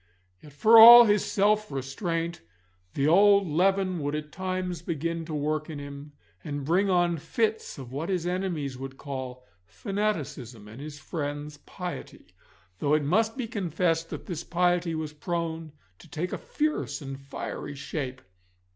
Yet for all his self restraint the old leaven would at times begin to work in him, and bring on fits of what his enemies would call fanaticism and his friends piety, though it must be confessed that this piety was prone to take a fierce and fiery shape.